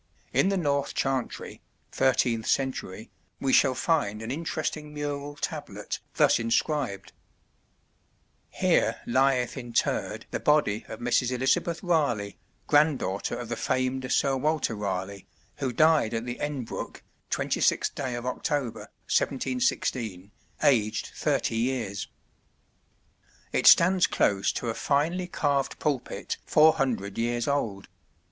In the north Chantry (13th century) we shall find an interesting mural tablet thus inscribed: "Here lieth Interred the Body of Mrs. Elizabeth Raleigh, Grand Daughter of the FAMED Sr Walter Raleigh, who died at the Enbrook, 26 day of October, 1716, aged 30 years." It stands close to a finely carved pulpit four hundred years old.